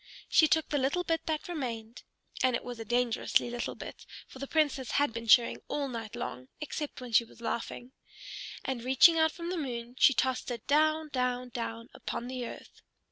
She took the little bit that remained, and it was a dangerously little bit, for the Princess had been chewing all night long, except when she was laughing, and reaching out from the moon she tossed it down, down, down upon the earth.